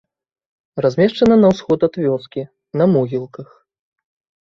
Размешчана на ўсход ад вёскі, на могілках.